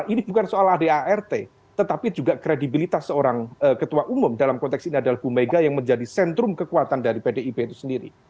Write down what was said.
ini bukan soal adart tetapi juga kredibilitas seorang ketua umum dalam konteks ini adalah bumega yang menjadi sentrum kekuatan dari pdip itu sendiri